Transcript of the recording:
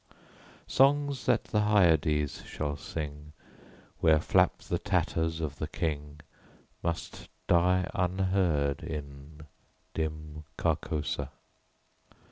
Songs that the Hyades shall sing, Where flap the tatters of the King, Must die unheard in Dim Carcosa.